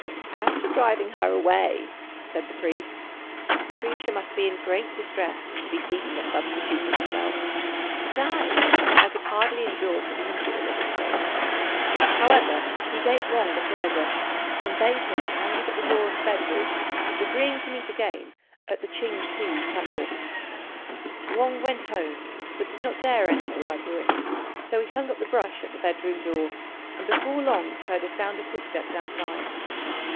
"As to driving her away," said the priest, "the creature must be in great distress to be seeking a substitute for herself; besides, I could hardly endure to injure a living thing." However, he gave Wang a fly brush, and bade him hang it at the door of the bedroom, agreeing to meet again at the Ch'ing ti temple. Wang went home, but did not dare enter the library; so he hung up the brush at the bedroom door, and before long heard a sound of footsteps outside.